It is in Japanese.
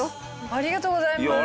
ありがとうございます。